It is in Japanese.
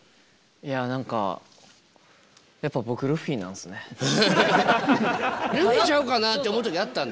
いや何かやっぱルフィちゃうかなって思う時あったんだ。